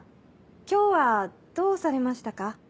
今日はどうされましたか？